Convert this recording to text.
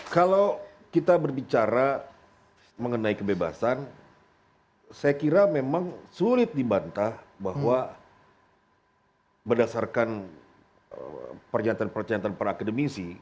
kalau kita berbicara mengenai kebebasan saya kira memang sulit dibantah bahwa berdasarkan perjataan perjataan perakademisi